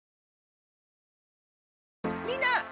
みんな！